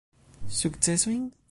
Sukcesojn?